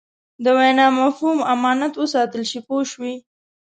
د وینا مفهوم امانت وساتل شي پوه شوې!.